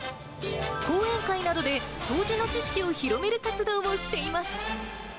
講演会などで掃除の知識を広げる活動もしています。